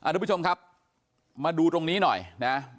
ด้วยกับมาดูตรงนี้หน่อยนะ